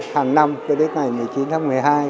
hàng năm cho đến ngày một mươi chín tháng một mươi hai